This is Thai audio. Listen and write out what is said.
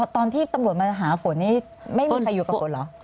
ตอนที่ตำรวจมาหาฝนนี่ไม่มีใครอยู่กับฝนเหรอ